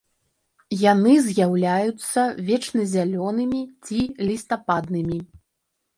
Яны з'яўляюцца вечназялёнымі ці лістападнымі.